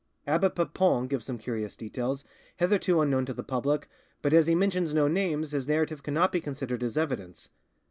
Abbe Papon gives some curious details, hitherto unknown to the public, but as he mentions no names his narrative cannot be considered as evidence.